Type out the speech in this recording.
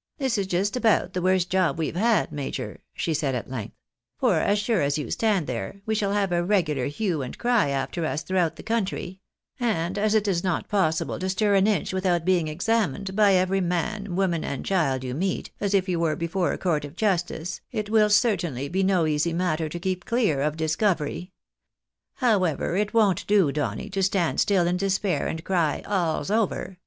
" This is just about the worst job we've had, major," she said at length ;" for as sure as you stand there, we shall have a regular hue and cry after us throughout the country ; and as it is not possible to stir an inch without being examined by every man, woman, and child you meet, as if you were before a court of justice, it wiU certainly be no easy matter to keep clear of discovery. However, it won't do, Donny, to stand still in despair, and cry ' all's over